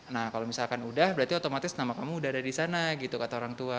nah kalau misalkan udah berarti otomatis nama kamu udah ada di sana gitu kata orang tua